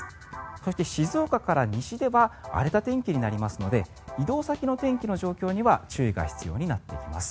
そして、静岡から西では荒れた天気になりますので移動先の天気の状況には注意が必要になってきます。